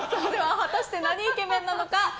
果たしてなにイケメンなのか？